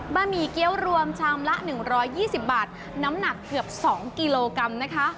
หมี่เกี้ยวรวมชามละ๑๒๐บาทน้ำหนักเกือบ๒กิโลกรัมนะคะ